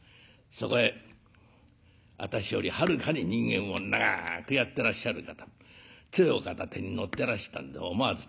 そこへ私よりはるかに人間を長くやってらっしゃる方つえを片手に乗ってらしたんで思わず立ち上がっちゃいましたね。